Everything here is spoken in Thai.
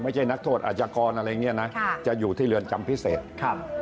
ไม่ใช่นักโทษอาจารย์กรอะไรอย่างเงี้ยนะค่ะจะอยู่ที่เรือนจำพิเศษครับ